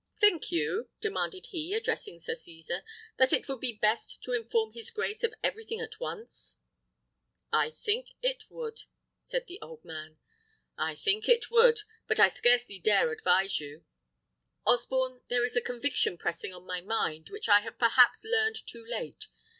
"Think you," demanded he, addressing Sir Cesar, "that it would be best to inform his grace of everything at once?" "I think it would," said the old man; "I think it would, but I scarcely dare advise you. Osborne, there is a conviction pressing on my mind, which I have perhaps learned too late.